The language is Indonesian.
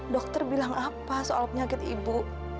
dokter bilang apa soal penyakit ibu